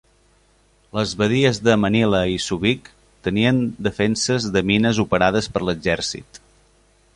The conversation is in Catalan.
Les badies de Manila i Subic tenien defenses de mines operades per l'exèrcit.